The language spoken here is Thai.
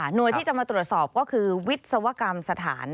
โดยที่จะมาตรวจสอบก็คือวิศวกรรมสถาน